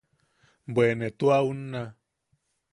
Bwe ne tua unna...